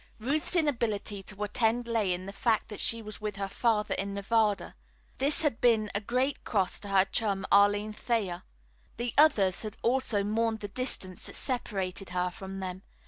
Ruth's inability to attend lay in the fact that she was with her father in Nevada. This had been a great cross to her chum, Arline Thayer. The others had also mourned the distance that separated her from them.